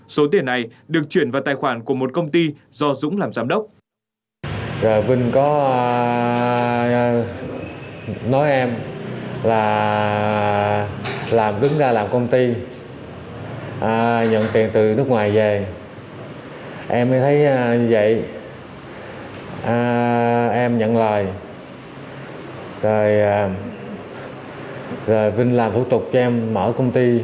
số tiền này được chuyển vào tài khoản của một công ty do dũng làm giám đốc